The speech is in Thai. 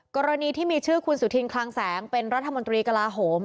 กรณีที่มีชื่อคุณสุธินคลังแสงเป็นรัฐมนตรีกลาโหม